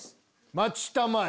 待ちたまえ！